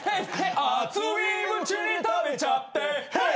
「熱いうちに食べちゃってヘイ！」